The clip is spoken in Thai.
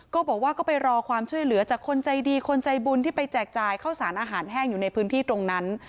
ก็บอกว่าก็ไปรอความช่วยเหลือจากคนใจดีคนใจบุญที่ไปแจกจ่ายข้าวสารอาหารแห้งอยู่ในพื้นที่ตรงนั้น